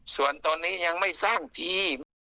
ส่วนตอนนี้ยังไม่สร้างทีม